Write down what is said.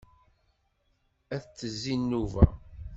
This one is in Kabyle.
Ad d-tezzi nnuba.